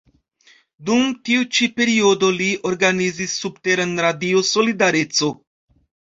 Dum tiu ĉi periodo li organizis subteran Radio Solidareco.